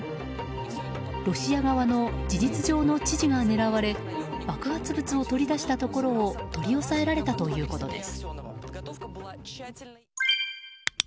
ロシア側の事実上の知事が狙われ爆発物を取り出したところを取り押さえられたということです。